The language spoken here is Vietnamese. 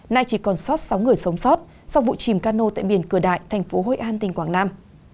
nay chỉ còn sót sáu người sống sót sau vụ chìm cano tại biển cửa đại thành phố hội an tỉnh quảng nam